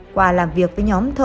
qua làm việc với nhóm thợ hồ